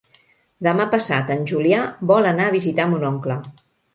Demà passat en Julià vol anar a visitar mon oncle.